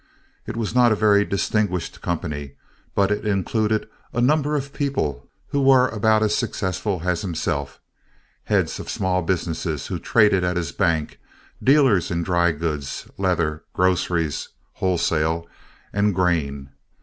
It was not a very distinguished company, but it included a number of people who were about as successful as himself—heads of small businesses who traded at his bank, dealers in dry goods, leather, groceries (wholesale), and grain.